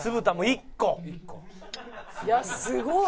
「いやすごい！」